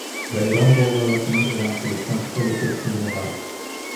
ۋەيران بولغانلىقىنى ئېلان قىلىشنىڭ خېلى كۆپ زىيىنى بار.